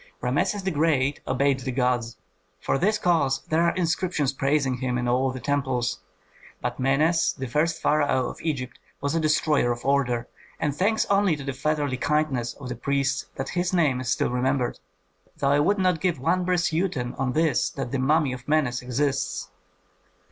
"Rameses the Great obeyed the gods; for this cause there are inscriptions praising him in all the temples. But Menes, the first pharaoh of Egypt, was a destroyer of order, and thanks only to the fatherly kindness of the priests that his name is still remembered, though I would not give one brass uten on this, that the mummy of Menes exists."